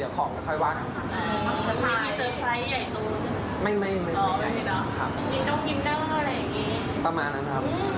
เราก็เลยเผินนิดนึง